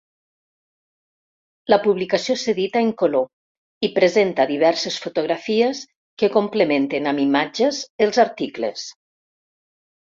La publicació s'edita en color i presenta diverses fotografies que complementen amb imatges els articles.